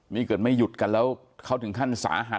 นี่เกิดไม่หยุดกันแล้วเขาถึงขั้นสาหัส